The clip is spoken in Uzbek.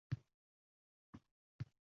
Manzilga yetganda, hazrati oliy: